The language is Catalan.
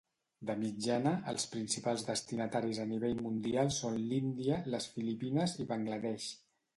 De mitjana, els principals destinataris a nivell mundial són l'Índia, les Filipines i Bangladesh.